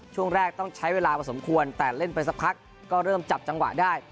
ช่วงแรกต้องใช้เวลาพอสมควรแต่เล่นไปสักพักก็เริ่มจับจังหวะได้